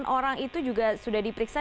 delapan orang itu juga sudah diperiksa